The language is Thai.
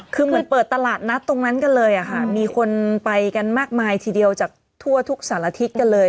คือเหมือนเปิดตลาดนัดตรงนั้นกันเลยค่ะมีคนไปกันมากมายทีเดียวจากทั่วทุกสารทิศกันเลย